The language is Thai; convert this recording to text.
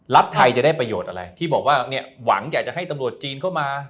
ไทยจะได้ประโยชน์อะไรที่บอกว่าเนี่ยหวังอยากจะให้ตำรวจจีนเข้ามา